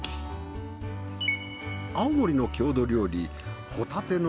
青森の郷土料理。